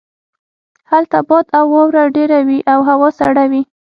هلته باد او واوره ډیره وی او هوا سړه وي